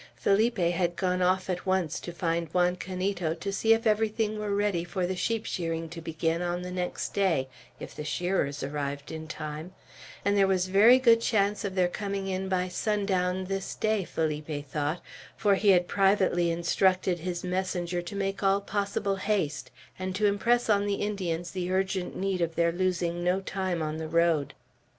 Felipe had gone off at once to find Juan Canito, to see if everything were ready for the sheep shearing to begin on the next day, if the shearers arrived in time; and there was very good chance of their coming in by sundown this day, Felipe thought, for he had privately instructed his messenger to make all possible haste, and to impress on the Indians the urgent need of their losing no time on the road.